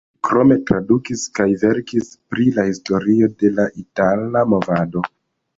Li krome tradukis kaj verkis pri la historio de la itala movado.